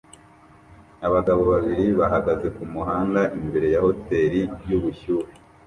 Abagabo babiri bahagaze kumuhanda imbere ya hoteri yubushyuhe